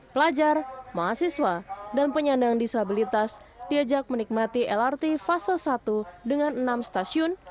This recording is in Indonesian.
pelajar mahasiswa dan penyandang disabilitas diajak menikmati lrt fase satu dengan enam stasiun